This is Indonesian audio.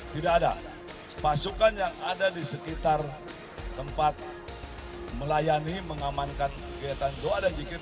tidak ada pasukan yang ada di sekitar tempat melayani mengamankan kegiatan doa dan jikir